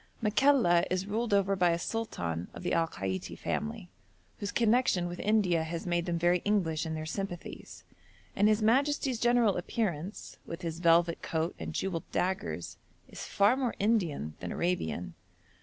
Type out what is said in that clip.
Makalla is ruled over by a sultan of the Al Kaiti family, whose connection with India has made them very English in their sympathies, and his majesty's general appearance, with his velvet coat and jewelled daggers, is far more Indian than Arabian.